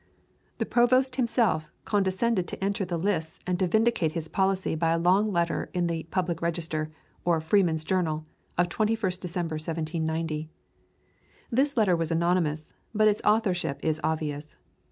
The Provost himself condescended to enter the lists and to vindicate his policy by a long letter in the "Public Register" or "Freeman's Journal," of 21st December, 1790. This letter was anonymous, but its authorship is obvious.